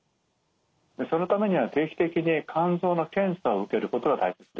そのためには定期的に肝臓の検査を受けることが大切ですね。